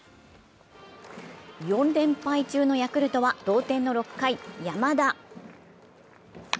４連敗中のヤクルトは同点の６回、山田。